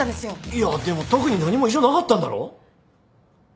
いやでも特に何も異常なかったんだろう？